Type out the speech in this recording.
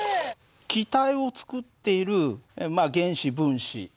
気体を作っている原子分子。